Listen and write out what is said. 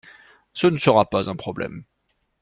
Ce ne sera pas un problème.